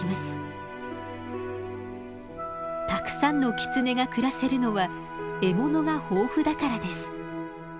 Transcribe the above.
たくさんのキツネが暮らせるのは獲物が豊富だからです。